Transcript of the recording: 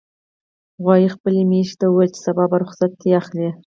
غویي خپلې میښې ته وویل چې سبا به رخصتي اخلي.